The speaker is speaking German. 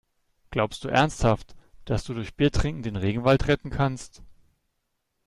Glaubst du ernsthaft, dass du durch Biertrinken den Regenwald retten kannst?